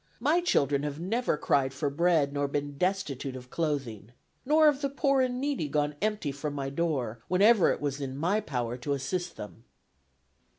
My children have never cried for bread nor been destitute of clothing. Nor have the poor and needy gone empty from my door, whenever it was in my power to assist them."